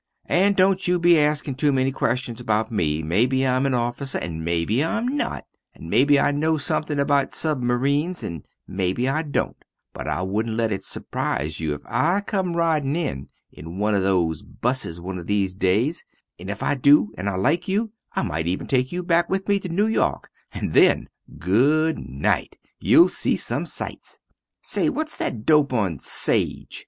And dont you be askin two many questions about me, mebbe Im an officer and mebbe Im not, and mebbe I no something about submareens and mebbe I don't but I woodnt let it sprize you if I come ridin in in one of those busses one of these days, and if I do and I like you I mite even take you back with me to New York, and then goodnite you'll see some sites. Say whats that dope on sage?